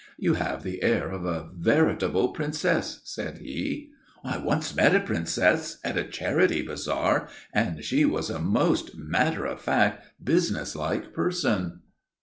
"You have the air of a veritable princess," said he. "I once met a princess at a charity bazaar and she was a most matter of fact, businesslike person."